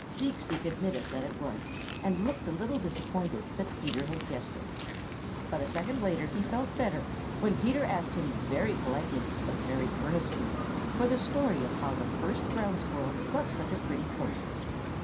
Seek Seek admitted that it was, and looked a little disappointed that Peter had guessed it. But a second later he felt better when Peter asked him very politely but very earnestly for the story of how the first Ground Squirrel got such a pretty coat.